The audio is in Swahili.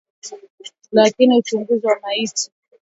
lakini uchunguzi wa maiti utabaini ikiwa vifo hivyo